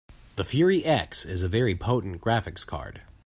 The Fury X is a very potent graphics card.